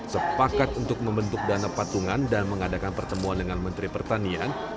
sepakat untuk membentuk dana patungan dan mengadakan pertemuan dengan menteri pertanian